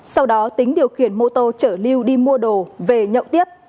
sau đó tính điều khiển mô tô chở lưu đi mua đồ về nhậu tiếp